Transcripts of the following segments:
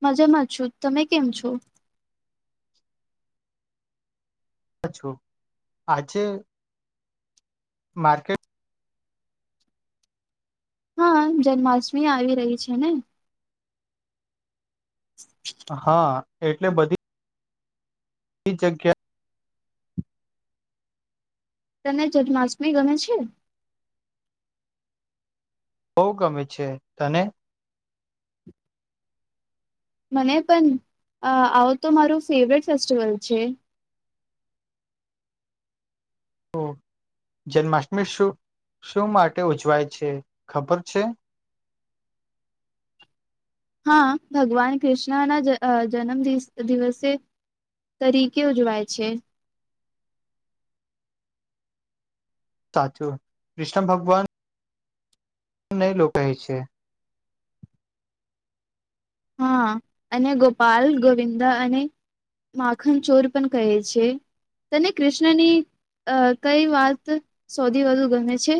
મજામાં છું. તમે કેમ છો? [unintelligible] છું. આજે માર્કેટ હા જન્માષ્ટમી આવી રહી છે ને. હા. એટલે બધી ઈ જગ્યા તને જન્માષ્ટમી ગમે છે? બહુ ગમે છે. તને? મને પણ અહ આવો તો મારું ફેવરેટ ફેસ્ટિવલ છે. તો જન્માષ્ટમી શું-શું માટે ઉજવાય છે, ખબર છે? હા. ભગવાન કૃષ્ણ ના જ અહ જન્મ દિસ દિવસે તરીકે ઉજવાય છે. સાચું. કૃષ્ણ ભગવાનને [unintelligible] છે. હા અને ગોપાલ ગોવિંદા અને માખન ચોર પણ કહે છે. તને કૃષ્ણની અહ કઈ વાત સૌથી વધુ ગમે છે?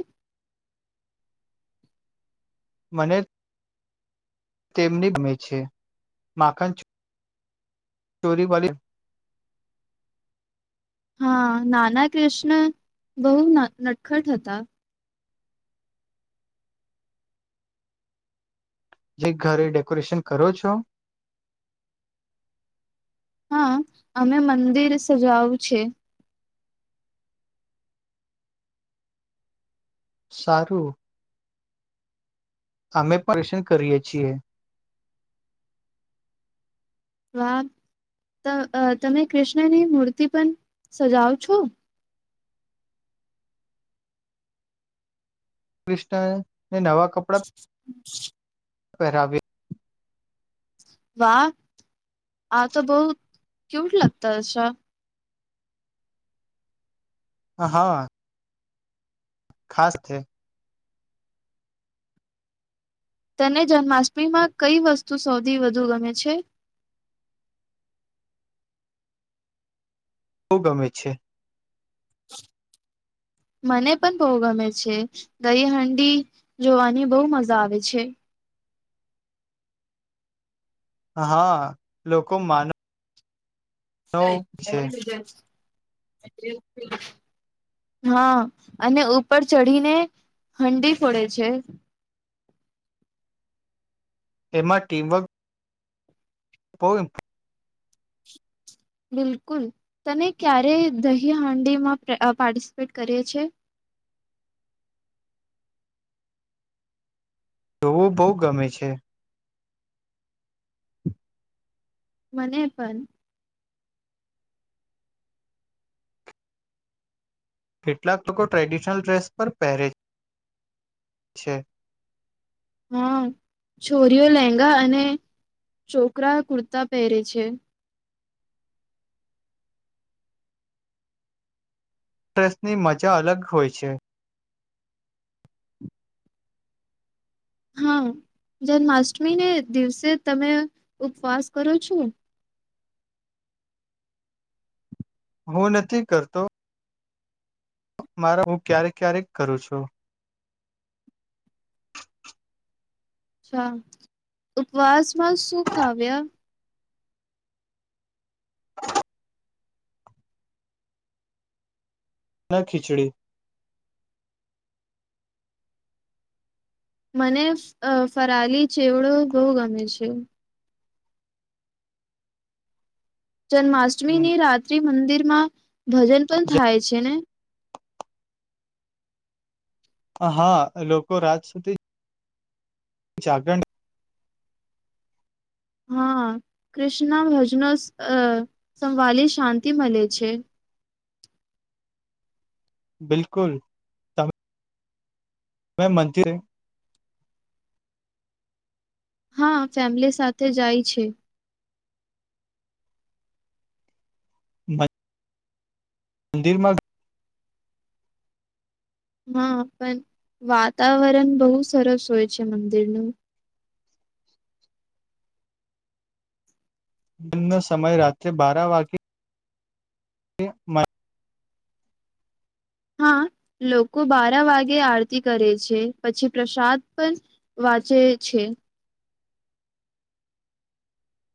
મને તેમની ગમે છે. માખન ચો ચોરી વાલી હા, નાના કૃષ્ણ બહુ નટખટ હતા. જે ઘરે ડેકોરેશન કરો છો? હા. અમે મંદિર સજાવું છે. સારું. અમે પરશન કરીએ છીએ. વાહ તમે કૃષ્ણની મૂર્તિ પણ સજાવ છો? કૃષ્ણ ને નવા કપડાં પહેરાબી વાહ. હા તો બહુ ક્યુટ લાગતા હશે? હા. ખાસ થે. તને જન્માષ્ટમીમાં કઈ વસ્તુ સૌથી વધુ ગમે છે. બહુ ગમે છે. મને પણ બહુ ગમે છે દઈ હાંડી જોવાની બહુ મજા આવે છે. હા લોકો માનો નઈ મોડી થઇ જાય. હા અને ઉપર ચઢીને હંડી ફોડે છે. એમાં ટીમવર્ક હોય બિલકુલ તને ક્યારે દહીહાંડીમાં પાર્ટિસિપેટ કરીે છે? જોવો બહુ ગમે છે. મને પણ કેટલાક લોકો ટ્રેડિશનલ ડ્રેસ પર પહેરે છે. હા છોરીઓ લેંહગા અને છોકરા કુર્તા પહેરે છે ડ્રેસની મજા અલગ હોય છે. હા જન્માષ્ટમીને દિવસે તમે ઉપવાસ કરો છો? હું નથી કરતો. મારા હું ક્યારેક ક્યારેક કરું છું. હા, ઉપવાસમાં શું ખાવ્યા? ના ખીચડી મને ફરાલી ચેવડો બહુ ગમે છે. જન્માષ્ટમીને રાત્રે મંદિર ના. ભજન પણ થાય છે ને? હા લોકો રાત સુધી જ જાગરણ હા કૃષ્ણના ભજનો સંભળી શાંતિ મળે છે. બિલકુલ. ત મે મંદિરે હા ફેમિલી સાથે જાય છે. [inaudible] મંદિરમાં હા પણ વાતાવરણ બહુ સરસ હોય છે મંદિરનું. દિલનો સમય રાત્રે બારા વાગે હ મા. હા લોકો બારા વાગે આરતી કરે છે પછી પ્રસાદ પણ વાંચે છે.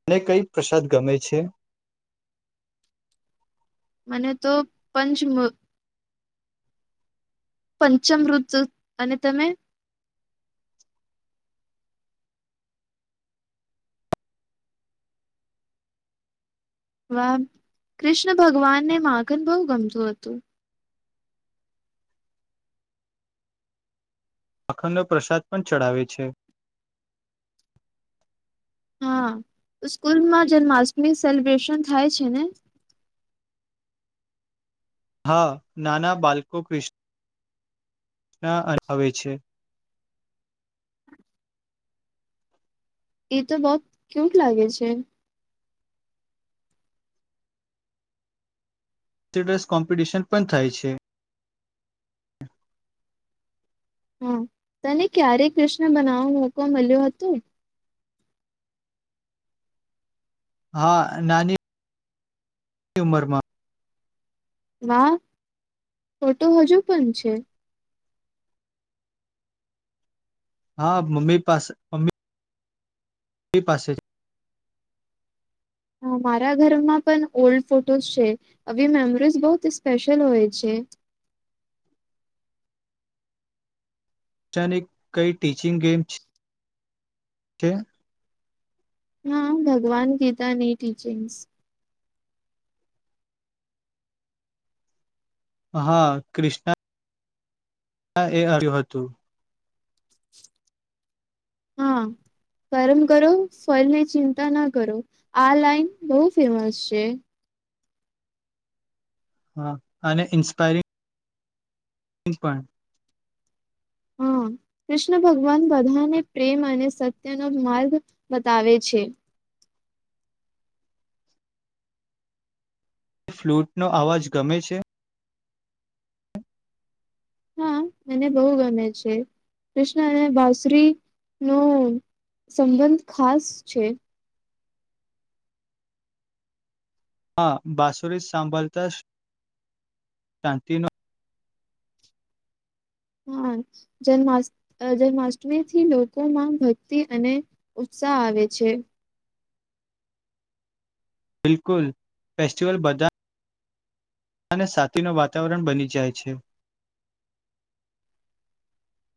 મને કઈક પ્રસાદ ગમે છે. મને તો પંચમ. પંચમ ઋત અને તમે? વા, કૃષ્ણ ભગવાનને માગન બહુ ગમતું હતું. અખંડો પ્રસાદ પણ ચડાવે છે. હા, સ્કૂલમાં જન્માષ્ટમી સેલિબ્રેશન થાય છે ને? હા નાના બાળકો કૃષ્ણ કૃષ્ણ અવે છે. એ તો બહ ક્યુટ લાગે છે. ડ્રેસ કોમ્પિટિશન પણ થાય છે. હા, તને ક્યારે કૃષ્ણ બનાવવાનો મોકો મળ્યો હતો? હા નાની એની ઉંમરમાં. વાહ, ફોટો હજુ પણ છે. હા મમ્મી પાસે મમ્મી એ પાસે છે. હ મારા ઘરમાં પણ ઓલ્ડ ફોટોસ છે, આવી મેમરીઝ બહ સ્પેશિયલ હોય છે. [unintelligible] હા ભગવાન ગીતાની ટીચિંગ્સ. હા કૃષ્ણ હા એ આવ્યું હતું. હા, કર્મ કરો ફલની ચિંતા ના કરો, આ લાઈન બહુ ફેમસ છે. હા, અને ઇન્સ્પાયરિંગ પણ. હા, કૃષ્ણ ભગવાન બધાને પ્રેમ અને સત્યનો માર્ગ બતાવે છે. તે ફ્લૂટનો અવાજ ગમે છે? હા મને બહુ ગમે છે, કૃષ્ણ અને બાસુરી નો સંબંધ ખાસ છે. હા બાસુરી સાંભળતા શાંતિનો હા, જમા જન્માષ્ટમીથી લોકોમાં ભક્તિ અને ઉત્સાહ આવે છે. બિલકુલ, ફેસ્ટિવલ બધાધા અને સાતીનું વાતાવરણ બની જાય છે.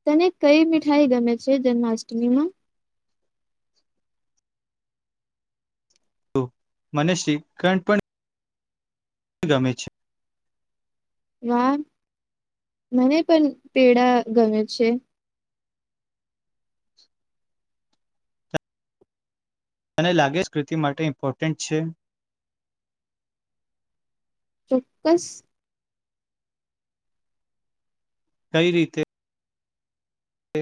તને કઈ મીઠાઈ ગમે છે જન્માષ્ટમીમાં? તો મને શ્રી કણ પણ ગમે છે. વાહ, મને પણ પેડા ગમે છે. તને લાગે જ કૃતિ માટે ઇમ્પોર્ટન્ટ છે? ચોક્કસ. કઈ રીતે? કે?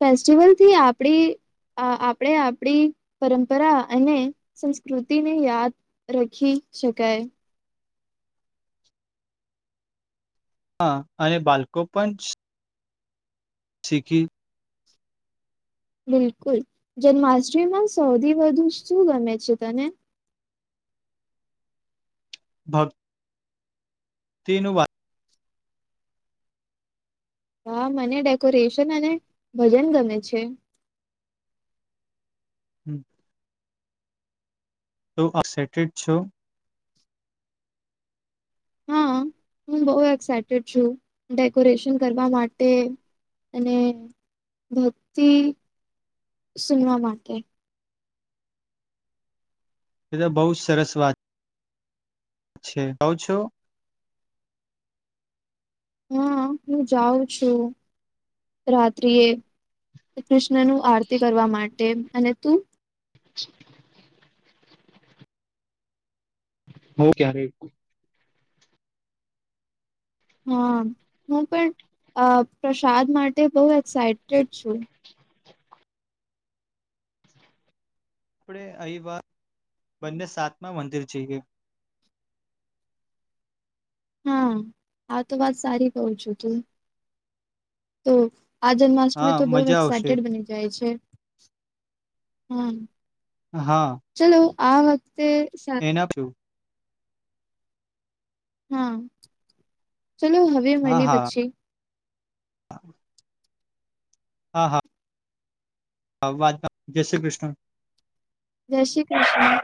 ફેસ્ટિવલથી આપણી આપણે આપણી પરંપરા અને સંસ્કૃતિને યાદ રાખી શકાય. હા અને બાળકો પણ શીખી બિલકુલ, જન્માષ્ટમીમાં સૌથી વધુ શું ગમે છે તને? ભક્ત. તેનું વાત હા મને ડેકોરેશન અને ભજન ગમે છે. હમ. તો એક્સાઈટેડ છો? હા, હું બહ એક્સાઈટેડ છું, ડેકોરેશન કરવા માટે, અને ભક્તિ સુનવા માટે. એ તો બહુ સરસ વાત છે કઉ છો. હા હું જાઉં છું. રાત્રિએે. ક્રિસ [unintelligible] નું આરતી કરવા માટે અને તું [unintelligible] હું ક્યારે હા હું પણ અ પ્રસાદ માટે બહુ એક્સાઈટેડ છું. આપણે આવી વાત બંને સાતમા મંદિર જઈએ. હા આ તો વાત સારી કઉ છો તુએ તો આ હા જન્માષ્ટમી તો બહુ મજા આવશે એક્સાઈટેડ બની જાય છે. હમ્મ. હા આ વ તે સા એના હા. ચલો હવે હા મળીએ હા પછી. [inaudible] હા હા. આ વાતના જય શ્રી કૃષ્ણ. જય શ્રી કૃષ્ણ.